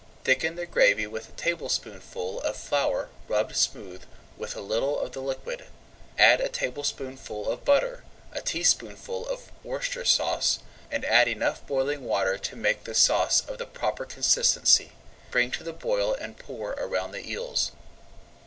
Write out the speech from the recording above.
Thicken the gravy with a tablespoonful of flour rubbed smooth with a little of the liquid. Add a tablespoonful of butter, a teaspoonful of Worcestershire sauce, and enough boiling water to make the sauce of the proper consistency. Bring to the boil and pour around the eels.